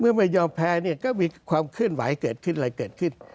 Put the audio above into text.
เมื่อไม่ยอมแพ้เนี่ยก็มีความขึ้นไหวเกิดขึ้นอะไรเกิดขึ้น